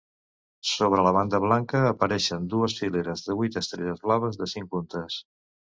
Sobre la banda blanca apareixen dues fileres de vuit estrelles blaves de cinc puntes.